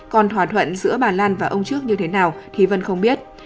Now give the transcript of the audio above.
còn thỏa thuận giữa bà lan và ông trước như thế nào thì vân không biết